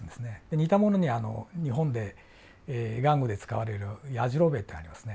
似たものに日本で玩具で使われるやじろべえってありますね。